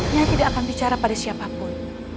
dia tidak akan bicara pada siapapun